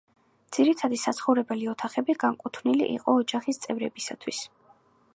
ძირითადი საცხოვრებელი ოთახები განკუთვნილი იყო ოჯახის წევრებისათვის.